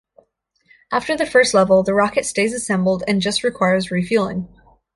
After the first level, the rocket stays assembled and just requires refuelling.